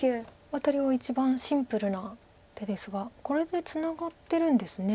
ワタリは一番シンプルな手ですがこれでツナがってるんですね。